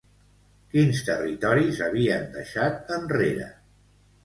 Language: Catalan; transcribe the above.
Quins territoris havien deixat enrere?